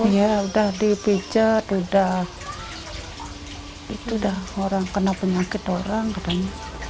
ya udah dipecat udah orang kena penyakit orang kadang